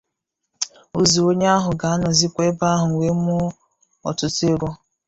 Ozu onye ahụ ga-anọzịkwa ebe ahụ wee mụọ ọtụtụ ego